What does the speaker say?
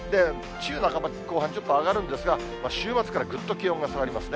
週半ば、後半、気温が上がるんですが、週末からぐっと気温が下がりますね。